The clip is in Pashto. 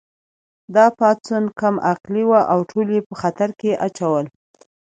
دا پاڅون کم عقلې وه او ټول یې په خطر کې اچول